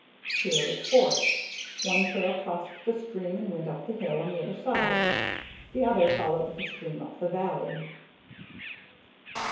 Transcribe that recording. Here it forked. One trail crossed the stream and went up the hill on the other side, the other followed the stream up the valley.